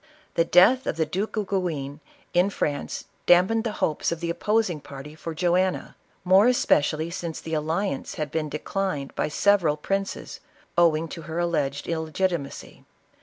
The death of the Duke of Guienue, in France, dampened the hopes of the opposing party for Joanna, more especially since the alliance had been declined by several princes, owing to her alleged illegitimacy.